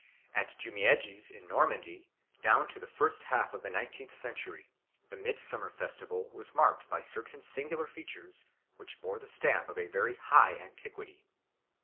At Jumièges in Normandy, down to the first half of the nineteenth century, the midsummer festival was marked by certain singular features which bore the stamp of a very high antiquity.